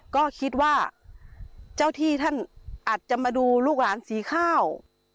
ก็คิดว่าเจ้าที่ท่านอาจจะมาดูลูกหลานสีข้าว